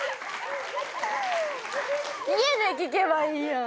家で聞けばいいやん。